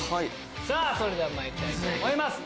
さぁそれではまいりたいと思います。